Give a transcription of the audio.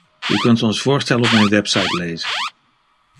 U kunt ons voorstel op mijn website lezen.